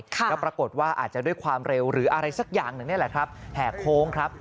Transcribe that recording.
แล้วปรากฏว่าอาจจะด้วยความเร็วหรืออะไรสักอย่างหนึ่งนี่แหละครับแห่โค้งครับ